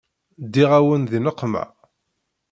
Ddiɣ-awen di nneqma.